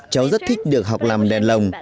cháu rất thích được học làm đèn lồng